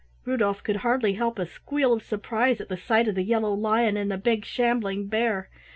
Rudolf could hardly help a squeal of surprise at the sight of the yellow lion and the big shambling bear.